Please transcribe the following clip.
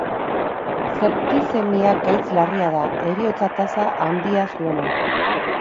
Septizemia gaitz larria da, heriotza-tasa handia zuena.